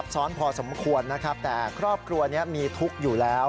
ซ้อนพอสมควรนะครับแต่ครอบครัวนี้มีทุกข์อยู่แล้ว